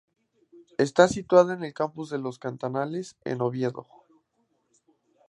Está situada en el Campus de los Catalanes en Oviedo.